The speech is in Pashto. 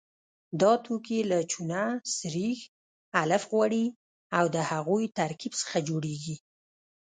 دا توکي له چونه، سريښ، الف غوړي او د هغوی ترکیب څخه جوړیږي.